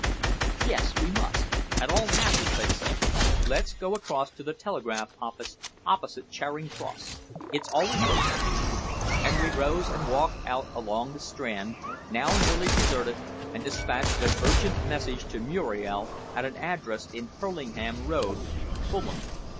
"Yes, we must at all hazards," I said. "Let's go across to the telegraph office opposite Charing Cross. It's open always." And we rose and walked out along the Strand, now nearly deserted, and despatched an urgent message to Muriel at an address in Hurlingham Road, Fulham.